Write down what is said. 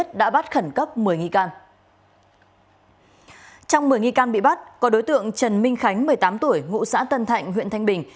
trong một mươi nghi can bị bắt có đối tượng trần minh khánh một mươi tám tuổi ngụ xã tân thạnh huyện thanh bình